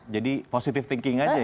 jadi positive thinking aja ya